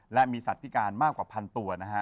และมีสัตว์พิการมากกว่าพันตัวนะฮะ